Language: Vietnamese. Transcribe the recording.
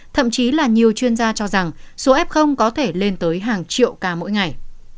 thậm chí là nhiều chuyên gia cho rằng số f có thể lên tới hàng triệu ca mỗi ngày